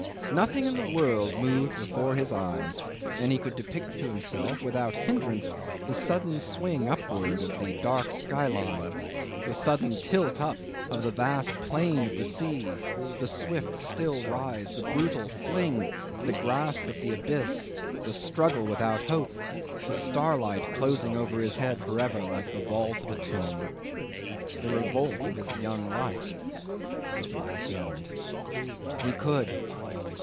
'Nothing in the world moved before his eyes, and he could depict to himself without hindrance the sudden swing upwards of the dark sky line, the sudden tilt up of the vast plain of the sea, the swift still rise, the brutal fling, the grasp of the abyss, the struggle without hope, the starlight closing over his head for ever like the vault of a tomb the revolt of his young life the black end. He could!